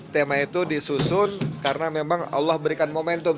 tema itu disusun karena memang allah berikan momentum